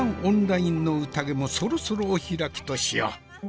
オンラインの宴もそろそろお開きとしよう。